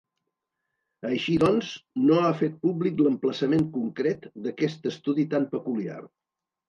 Així doncs, no ha fet públic l’emplaçament concret d’aquest estudi tan peculiar.